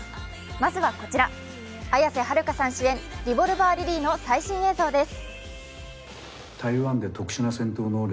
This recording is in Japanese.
まずはこちら、綾瀬はるかさん主演「リボルバー・リリー」の最新映像です。